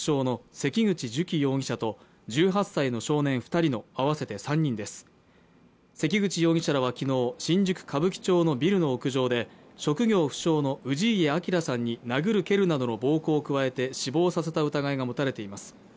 関口容疑者らは昨日、新宿・歌舞伎町のビルの屋上で、職業不詳の氏家彰さんに殴る蹴るなどの暴行を加えて死亡させた疑いが持たれています。